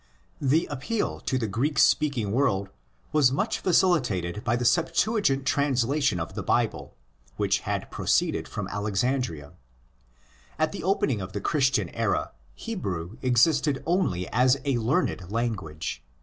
The appeal to the Greek speaking world was much facilitated by the Septuagint translation of the Bible, which had proceeded from Alexandria. At the opening of the Christian era Hebrew existed only as a learned language.